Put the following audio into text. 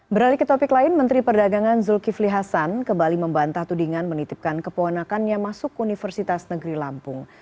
beralih ke topik lain menteri perdagangan zulkifli hasan kembali membantah tudingan menitipkan keponakannya masuk universitas negeri lampung